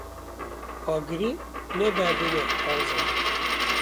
Agirî ne berdine kaxizan.